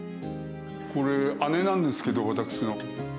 これ、姉なんですけど、私の。